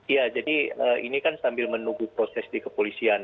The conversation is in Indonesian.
ya jadi ini kan sambil menunggu proses di kepolisian